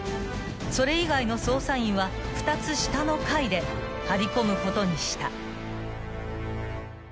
［それ以外の捜査員は２つ下の階で張り込むことにした］